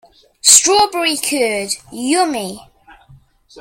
Strawberry curd, yummy!